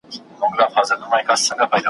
ذوالقافیتین `